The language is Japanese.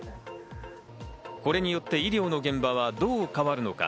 これによって医療の現場はどう変わるのか。